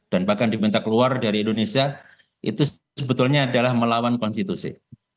dan bahkan diminta keluar dari indonesia itu sebetulnya adalah melawan konstitusi